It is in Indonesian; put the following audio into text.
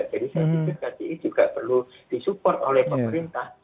jadi saya pikir kci juga perlu disupport oleh pemerintah